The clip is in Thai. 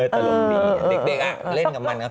นั้นสาวที่เด็กเล่นกับมันครับ